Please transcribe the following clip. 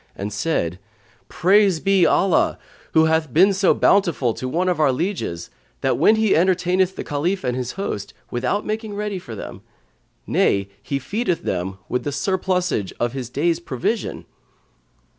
and said, "Praise be Allah, who hath been so bountiful to one of our lieges, that he entertaineth the Caliph and his host, without making ready for them; nay, he feedeth them with the surplusage of his day's provision!"